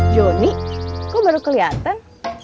joni kok baru keliatan